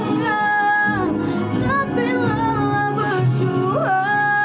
bukankah rumah tempat